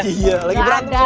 iya lagi berantem